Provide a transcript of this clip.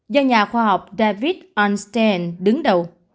do nhà khoa học david einstein đứng đầu